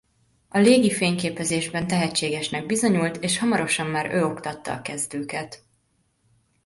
A légi fényképezésben tehetségesnek bizonyult és hamarosan már ő oktatta a kezdőket.